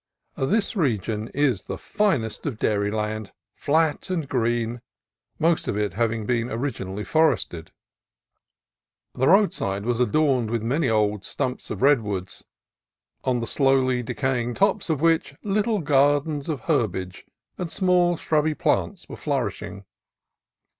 This region is the finest of dairy land, flat and green, most of it having been originally forested. 298 CALIFORNIA COAST TRAILS The roadside was adorned with many old stumps of redwoods, on the slowly decaying tops of which little gardens of herbage and small shrubby plants were flourishing.